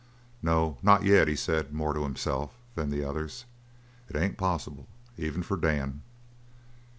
"No, not yet," he said, more to himself than the others. "It ain't possible, even for Dan."